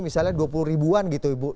misalnya dua puluh ribuan gitu ibu